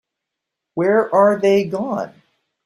Where are they gone?